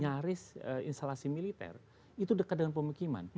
nyaris instalasi militer itu dekat dengan pemukiman